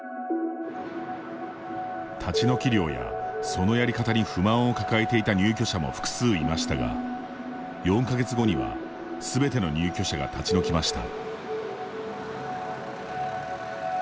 立ち退き料やそのやり方に不満を抱えていた入居者も複数いましたが４か月後にはすべての入居者が立ち退きました。